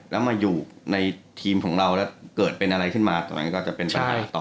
แล้วมาอยู่ในทีมของเราแล้วเกิดเป็นอะไรขึ้นมาตรงนั้นก็จะเป็นปัญหาต่อ